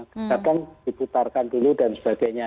kita kan diputarkan dulu dan sebagainya